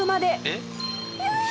えっ？